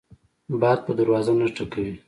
باد په دروازه نه ټکوي